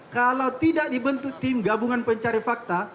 kalau tidak dibentuk tim gabungan pencari fakta